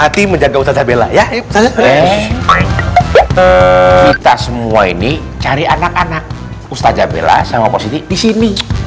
hati menjaga sss sebak la tahabricountry semua ini cari anak anak ustaz abela sama technology